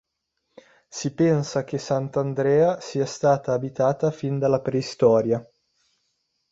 Si pensa che Sant'Andrea sia stata abitata fin dalla preistoria.